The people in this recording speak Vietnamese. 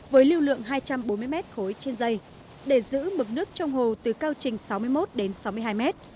với lưu lượng hai trăm bốn mươi m khối trên dây để giữ mực nước trong hồ từ cao trình sáu mươi một m đến sáu mươi hai m